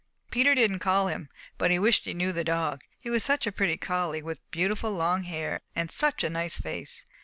Peter didn't call him, but he wished he knew the dog, he was such a pretty collie with beautiful long hair and such a nice face.